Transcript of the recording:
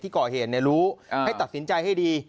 ก่อเหตุรู้ให้ตัดสินใจให้ดี